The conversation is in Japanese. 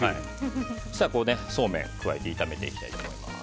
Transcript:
そうしたら、そう麺を加えて炒めていきたいと思います。